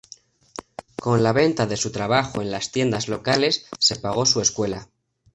Con la venta de su trabajo en las tiendas locales se pagó su escuela.